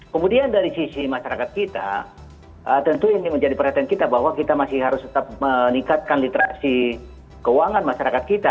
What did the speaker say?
kemudian dari sisi masyarakat kita tentu ini menjadi perhatian kita bahwa kita masih harus tetap meningkatkan literasi keuangan masyarakat kita